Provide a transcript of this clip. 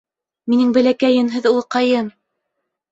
— Минең бәләкәй йөнһөҙ улыҡайым!